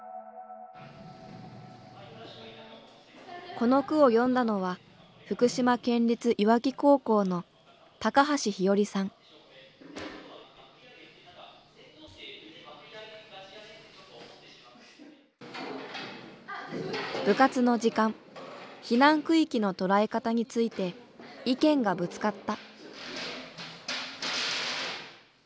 この句を詠んだのは部活の時間「避難区域」の捉え方について意見がぶつかった。